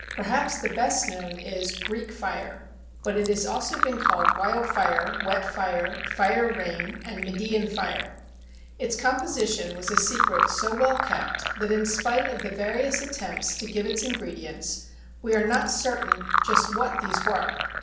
Perhaps the best known is " Greek fire," but it has also been called wildfire, wet fire, fire rain, and Me dean fire. Its composition was a secret so well kept that in spite of the various attempts to give its in gredients we are not certain just what these were.